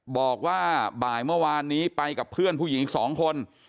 บอกว่าบ่ายเมื่อวานนี้ไปกับเพื่อนผู้หญิงอีก๒คน